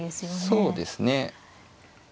そうですね。